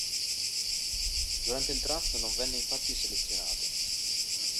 Durante il draft non venne infatti selezionato.